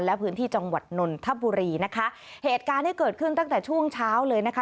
และพื้นที่จังหวัดนนทบุรีนะคะเหตุการณ์ที่เกิดขึ้นตั้งแต่ช่วงเช้าเลยนะคะ